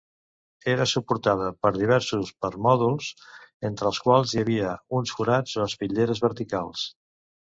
Era suportada per diversos permòdols, entre els quals hi havia uns forats o espitlleres verticals.